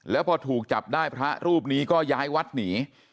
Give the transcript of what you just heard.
แล้วพอถูกจับได้พระรูปนี้ก็ย้ายวัดหนี